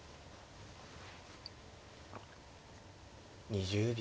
２０秒。